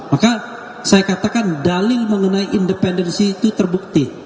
maka saya katakan dalil mengenai independensi itu terbukti